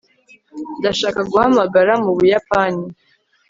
ndashaka guhamagara mu buyapani